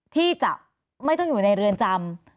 ที่จะไม่ต้องอยู่ในเรือนจำ